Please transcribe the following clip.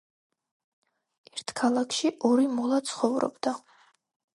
ერთ ქალაქში ორი მოლა ცხოვრობდა